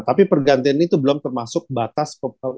tapi pergantian itu belum termasuk batas